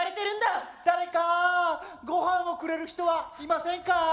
誰かごはんをくれる人はいませんか？